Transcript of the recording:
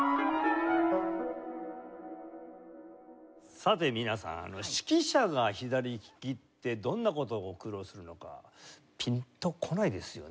さて皆さん指揮者が左ききってどんな事を苦労するのかピンとこないですよね。